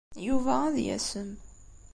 Yuba ad yasem.